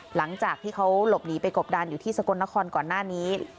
หลังจากที่เขาหลบหนีไปกบดานอยู่ที่สกลนครก่อนหน้านี้